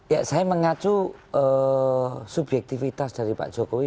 ya saya mengacu subjektivitas dari pak jokowi